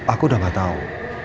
aku udah gak tau